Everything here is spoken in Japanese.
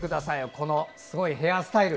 このすごいヘアースタイル。